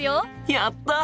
やった！